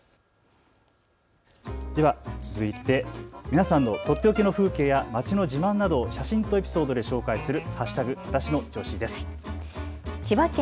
続いて皆さんのとっておきの風景や街の自慢などを写真とエピソードで紹介する＃